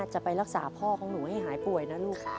จะไปรักษาพ่อของหนูให้หายป่วยนะลูก